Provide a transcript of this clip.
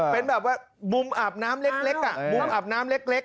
เป็นแบบว่ามุมอาบน้ำเล็ก